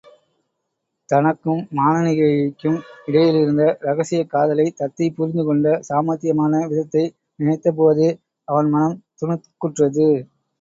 தனக்கும் மானனீகைக்கும் இடையிலிருந்த இரகசியக் காதலைத் தத்தை புரிந்து கொண்ட சாமர்த்தியமான விதத்தை நினைத்தபோதே அவன் மனம் துணுக்குற்றது.